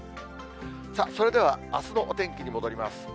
それではあすのお天気に戻ります。